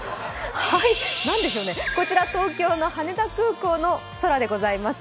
何でしょうね、こちら東京の羽田空港の空でございます。